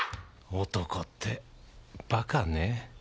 「男ってバカね」